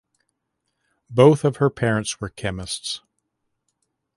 Both of her parents were chemists.